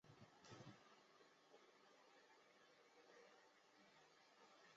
负极是由发电机与电池组的正极接地而实现的。